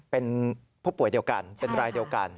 เป็นผู้ป่วยเดียวกันเป็นรายเดียวกัน